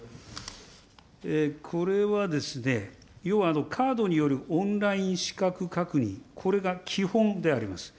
これはですね、要はカードによるオンライン資格確認、これが基本であります。